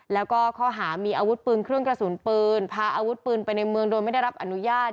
แล้วก็ข้อหามีอาวุธปืนเครื่องกระสุนปืนพาอาวุธปืนไปในเมืองโดยไม่ได้รับอนุญาต